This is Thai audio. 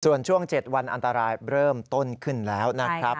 ส่วนช่วง๗วันอันตรายเริ่มต้นขึ้นแล้วนะครับ